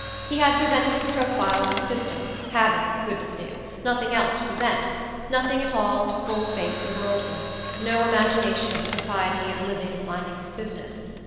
He had presented his profile on system, having, goodness knew, nothing else to present nothing at all to full face the world with, no imagination of the propriety of living and minding his business.